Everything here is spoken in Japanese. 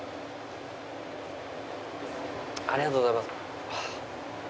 ありがとうございます。